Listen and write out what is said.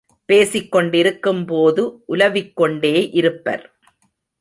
பேசிக்கொண்டிருக்கும்போது உலவிக்கொண்டே இருப்பர்.